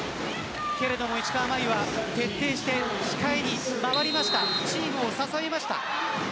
けれども石川真佑は徹底して控えに回ってチームを支えました。